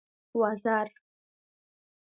وزر.